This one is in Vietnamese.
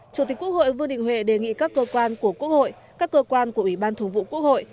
chủ tịch quốc hội vương đình huệ đề nghị các cơ quan của quốc hội các cơ quan của ủy ban thường vụ quốc hội